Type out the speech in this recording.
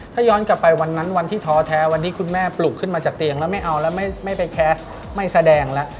ถ้าย้อนกลับไปวันนั้นวันที่ท้อแท้วันนี้คุณแม่ปลุกขึ้นมาจากเตียงแล้วไม่เอาแล้วไม่ไปแคสต์ไม่แสดงแล้ว